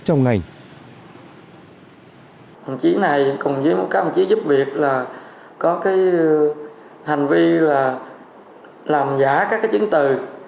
hành trí này cùng với một các hành trí giúp việc là có cái hành vi là làm giả các cái chứng từ